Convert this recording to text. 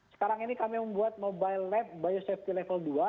sekarang ini kami membuat mobile lab biosafety level dua